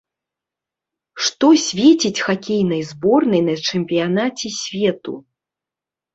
Што свеціць хакейнай зборнай на чэмпіянаце свету?